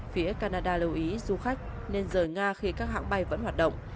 phía canada lưu ý du khách nên rời nga khi các hãng bay vẫn hoạt động